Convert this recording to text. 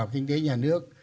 kinh tế nhà nước